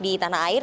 di tanah air